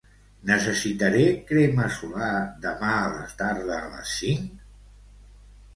Necessitaré crema solar demà a la tarda a les cinc?